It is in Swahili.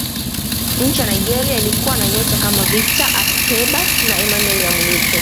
nchi ya nigeria ilikuwa na nyota kama victor ikpeba na emmanuel amunike